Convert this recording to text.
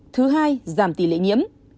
thứ hai giảm tỷ lệ nhiễm